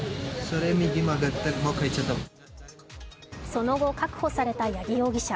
その後、確保された八木容疑者。